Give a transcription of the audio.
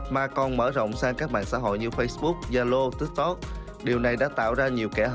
mà còn mở rộng sang các mạng xã hội như facebook yalo tiktok